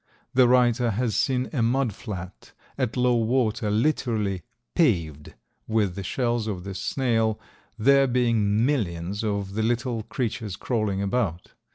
The writer has seen a mud flat at low water literally paved with the shells of this snail, there being millions of the little creatures crawling about.